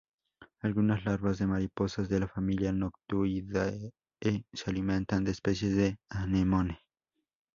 Algunas larvas de mariposas de la familia Noctuidae se alimentan de especies de "Anemone".